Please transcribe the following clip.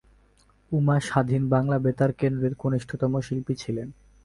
উমা স্বাধীন বাংলা বেতার কেন্দ্রের কনিষ্ঠতম শিল্পী ছিলেন।